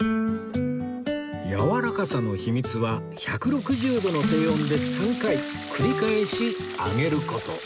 やわらかさの秘密は１６０度の低温で３回繰り返し揚げる事